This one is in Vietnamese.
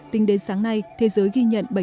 tính đến sáng nay thế giới ghi nhận